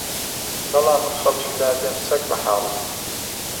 بەڵام من خەڵکی لادێم سەگ بەحاڵم